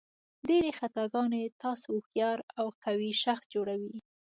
ډېرې خطاګانې تاسو هوښیار او قوي شخص جوړوي.